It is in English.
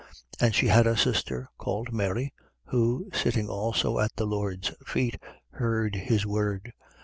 10:39. And she had a sister called Mary. who, sitting also at the Lord's feet, heard his word.